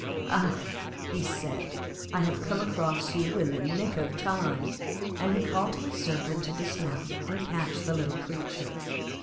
'Ah,' he said, 'I have come across you in the nick of time'; and he called to his Servant to dismount and catch the little creature.